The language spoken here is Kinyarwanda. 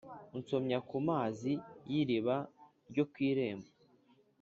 Unsomya ku mazi y iriba ryo ku irembo